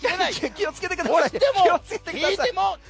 気をつけてください。